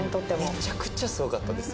めちゃくちゃすごかったです。